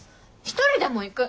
一人でも行く！